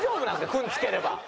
「くん」付ければ。